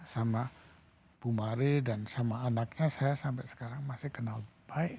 sama bu mari dan sama anaknya saya sampai sekarang masih kenal baik